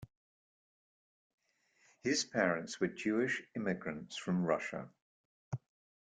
His parents were Jewish immigrants from Russia.